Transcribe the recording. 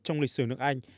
trong lịch sử nước anh